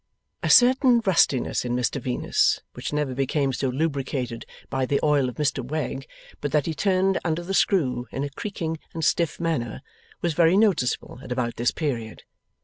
A certain rustiness in Mr Venus, which never became so lubricated by the oil of Mr Wegg but that he turned under the screw in a creaking and stiff manner, was very noticeable at about this period.